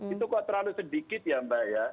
itu kok terlalu sedikit ya mbak ya